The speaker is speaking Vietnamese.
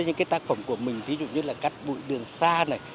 những cái tác phẩm của mình ví dụ như là cắt bụi đường xa này